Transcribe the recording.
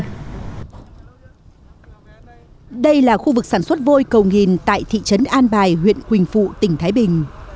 đây là khu vực sản xuất vôi cầu nghìn tại thị trấn an bài huyện quỳnh phụ tỉnh thái bình